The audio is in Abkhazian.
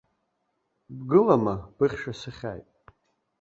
Бгылама, быхьша сыхьааит.